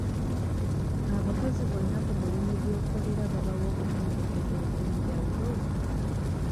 Abakozi bonna ku mulimu gy'okolera babawa okutendekebwa okw'enjawulo?